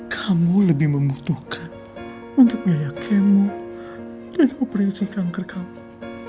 kamu lebih membutuhkan untuk biaya kemu dan operasi kanker kamu